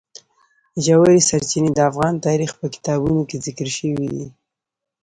ژورې سرچینې د افغان تاریخ په کتابونو کې ذکر شوی دي.